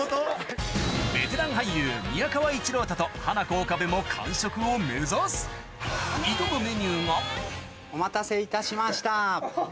ベテラン俳優宮川一朗太とハナコ・岡部も完食を目指す挑むメニューがお待たせいたしました。